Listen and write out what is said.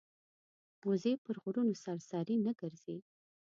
وزې پر غرونو سرسري نه ګرځي